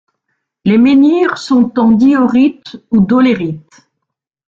Les menhirs sont en diorite ou dolérite.